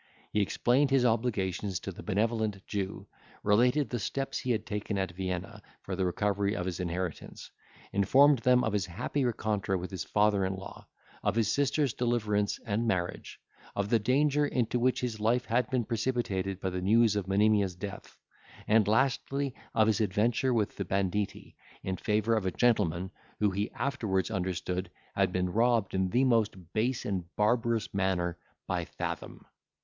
He explained his obligations to the benevolent Jew; related the steps he had taken at Vienna for the recovery of his inheritance; informed them of his happy rencontre with his father in law; of his sister's deliverance, and marriage; of the danger into which his life had been precipitated by the news of Monimia's death; and, lastly, of his adventure with the banditti, in favour of a gentleman, who, he afterwards understood, had been robbed in the most base and barbarous manner by Fathom.